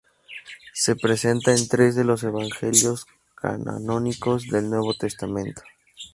Se presenta en tres de los evangelios canónicos del Nuevo Testamento.